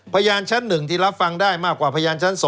พยานชั้น๑ที่รับฟังได้มากกว่าพยานชั้น๒